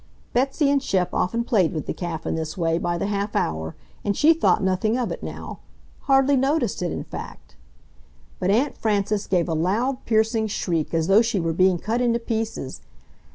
Betsy and Shep often played with the calf in this way by the half hour, and she thought nothing of it now; hardly noticed it, in fact. But Aunt Frances gave a loud, piercing shriek, as though she were being cut into pieces.